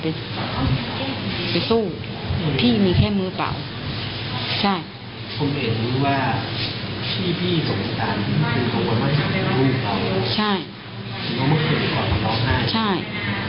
เห็นภาพนั้นเรารู้เสมอ